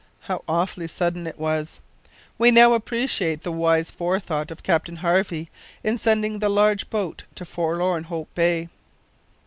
How awfully sudden it was! We now appreciate the wise forethought of Captain Harvey in sending the large boat to Forlorn Hope Bay.